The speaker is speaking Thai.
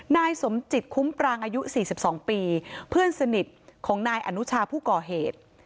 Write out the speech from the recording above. นายสมจิตคุ้มปรางอายุ๔๒ปีเพื่อนสนิทของนายอนุชาผู้ก่อเหตุ